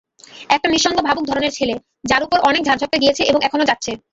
একটা নিঃসঙ্গ ভাবুক ধরনের ছেলে, যার উপর অনেক ঝড়ঝাপ্টা গিয়েছে এবং এখনো যাচ্ছে।